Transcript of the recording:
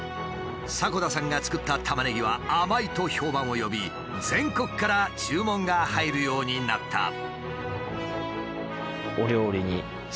迫田さんが作ったタマネギは甘いと評判を呼び全国から注文が入るようになった。